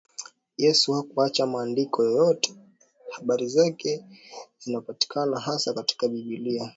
Yesu hakuacha maandiko yoyote habari zake zinapatikana hasa katika Biblia